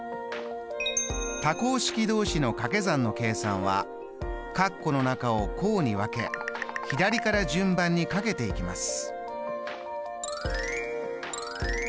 多項式同士のかけ算の計算は括弧の中を項に分け左から順番にかけていきます。